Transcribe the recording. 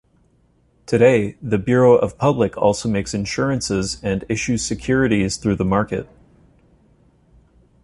Today, the Bureau of Public also make insurances and issues securities through the market.